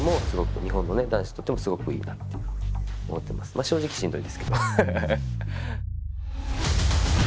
まあ正直しんどいですけど。